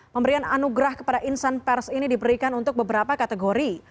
pemberian anugerah kepada insan pers ini diberikan untuk beberapa kategori